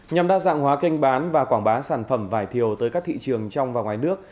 nhằm đa dạng hóa kênh bán và quảng bá sản phẩm vải thiều tới các thị trường trong và ngoài nước